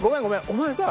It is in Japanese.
お前さ」。